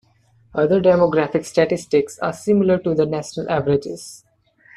Other demographic statistics are similar to the national averages.